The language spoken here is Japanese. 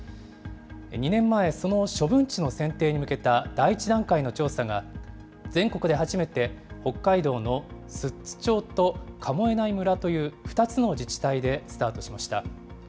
２年前、その処分地の選定に向けた第１段階の調査が、全国で初めて北海道の寿都町と神恵内村という２つの自治体でスタートしました。